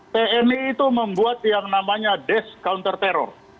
tni itu membuat yang namanya desk counter terror